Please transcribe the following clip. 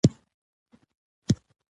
عربي خط ډېر ډولونه لري.